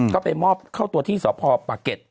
ก็ไปมอบเข้าตัวที่สพปะเก็ต